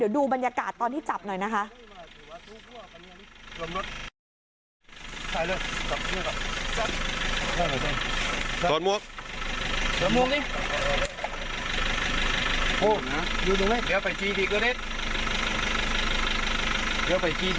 ดูบรรยากาศตอนที่จับหน่อยนะคะ